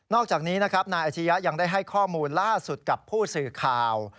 อกจากนี้นะครับนายอาชียะยังได้ให้ข้อมูลล่าสุดกับผู้สื่อข่าว